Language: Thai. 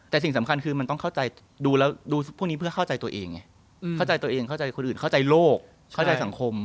แต่สิ่งสำคัญคือมันต้องเข้าใจดูแล้วดูพวกนี้เพื่อเข้าใจตัวเองไงเข้าใจตัวเองเข้าใจคนอื่นเข้าใจโลกเข้าใจสังคม